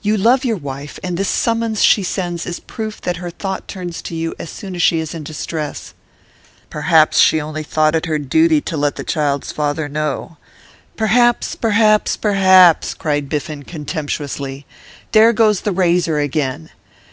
'You love your wife, and this summons she sends is proof that her thought turns to you as soon as she is in distress.' 'Perhaps she only thought it her duty to let the child's father know ' 'Perhaps perhaps perhaps!' cried Biffen, contemptuously. 'There goes the razor again!